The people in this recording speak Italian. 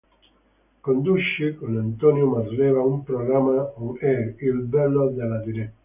Conduce con Antonio Malerba un programma on air, "Il bello della diretta".